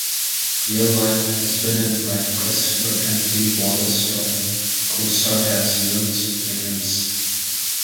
Real life husband and wife Christopher and Dee Wallace-Stone co-starred as Will's parents.